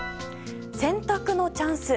洗濯のチャンス。